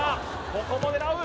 ここも狙う